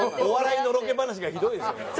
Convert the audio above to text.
お笑いノロケ話がひどいですよ。